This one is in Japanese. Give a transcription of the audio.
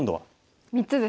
３つです。